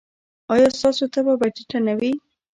ایا ستاسو تبه به ټیټه نه وي؟